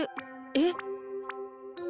えっ？